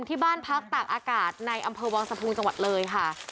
ที่บ้านพักตากอากาศในอำเภอวังสะพุงจังหวัดเลยค่ะ